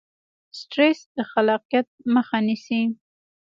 سټرس د خلاقیت مخه نیسي.